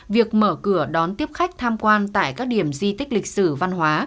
việc mở cửa đón tiếp khách tham quan tại các điểm di tích lịch sử văn hóa